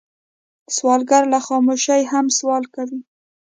سوالګر له خاموشۍ هم سوال کوي